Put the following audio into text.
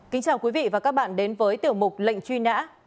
kính chào quý vị và các bạn đến với tiểu mục lệnh chuyên án